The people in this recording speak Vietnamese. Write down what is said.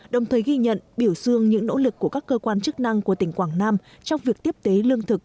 đồng thời ghi nhận biểu dương những nỗ lực của các cơ quan chức năng của tỉnh quảng nam trong việc tiếp tế lương thực